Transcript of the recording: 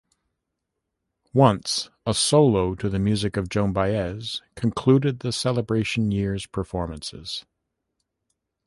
"Once", a solo to the music of Joan Baez, concluded the celebration year's performances.